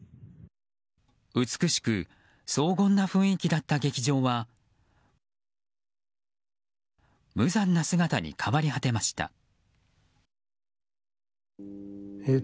美しく荘厳な雰囲気だった劇場は無残な姿に変り果てました。